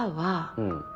うん。